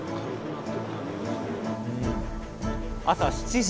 朝７時。